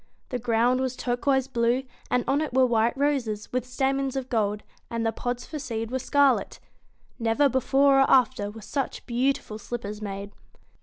The ground was tur BEAST q uo i se blue, and on it were white roses, with stamens of gold, and the pods for seed were scarlet Never before or after were such beautiful slippers made.